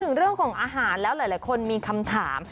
ถึงเรื่องของอาหารแล้วหลายคนมีคำถาม